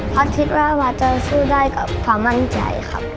พอสิทธิ์ราวะจะสู้ได้กับความมั่นใจครับ